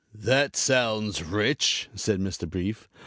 "That sounds rich," said Mr. Brief.